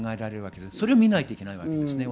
それを我々は見ないといけないです。